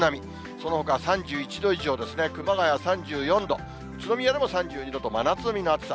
そのほか３１度以上ですね、熊谷３４度、宇都宮でも３２度と、真夏日の暑さ。